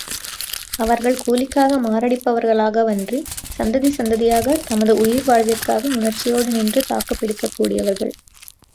அவர்கள் கூலிக்காக மாரடிப்பவர்களாகவன்றி சந்ததி சந்ததியாக தமது உயிர் வாழ்விற்காக உணர்ச்சியோடு நின்று தாக்குப்பிடிக்கக் கூடியவர்கள்.